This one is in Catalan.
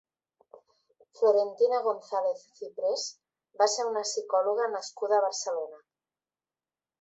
Florentina González Ciprés va ser una psicòloga nascuda a Barcelona.